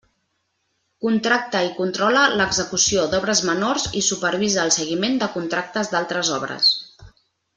Contracta i controla l'execució d'obres menors i supervisa el seguiment de contractes d'altres obres.